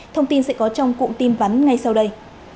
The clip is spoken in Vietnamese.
thông tin sẽ có trong cụm tin vắn ngay sau đây